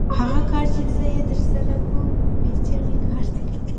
هغه کار چې زه یې ترسره کوم پېچلی کار دی